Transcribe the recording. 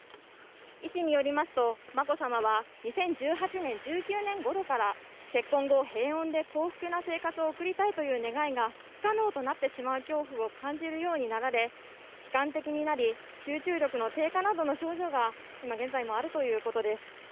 医師によりますと、眞子さまは２０１８年、１９年ごろから結婚後平穏で幸福な生活を送りたいという願いが不可能と感じるようになられ、悲観的になられ、集中力の低下などの症状が今現在もあるということです。